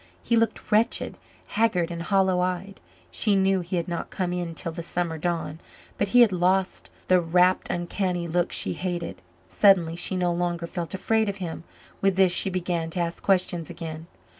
He looked wretched haggard and hollow eyed. She knew he had not come in till the summer dawn. But he had lost the rapt, uncanny look she hated; suddenly she no longer felt afraid of him. With this, she began to ask questions again.